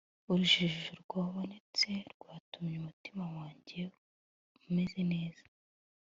Urujijo rwabonetse rwatumye umutima wanjye umeze neza